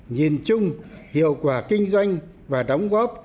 nhìn chung hiệu quả kinh doanh và đóng góp